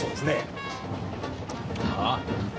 ああ。